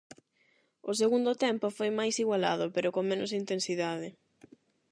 O segundo tempo foi máis igualado, pero con menos intensidade.